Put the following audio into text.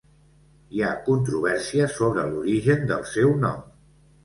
Hi ha controvèrsia sobre l'origen del seu nom.